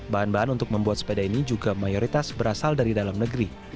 bahan bahan untuk membuat sepeda ini juga mayoritas berasal dari dalam negeri